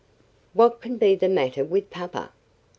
"What can be the matter with papa?